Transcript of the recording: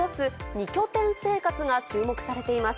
２拠点生活が注目されています。